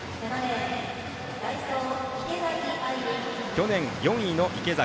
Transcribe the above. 去年４位の池崎。